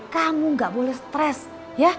kamu gak boleh stres ya